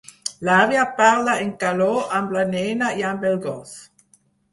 L'àvia parla en caló amb la nena i amb el gos.